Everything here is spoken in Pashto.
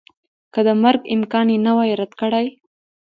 که د مرګ امکان یې نه وای رد کړی